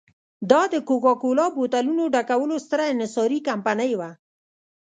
دا د کوکا کولا بوتلونو ډکولو ستره انحصاري کمپنۍ وه.